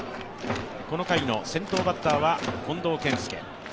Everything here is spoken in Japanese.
この回の先頭バッターは近藤健介。